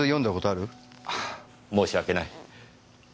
ああ申し訳ない。